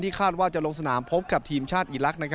คาดว่าจะลงสนามพบกับทีมชาติอีลักษณ์